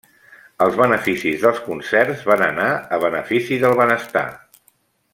Els beneficis dels concerts van anar a benefici del benestar.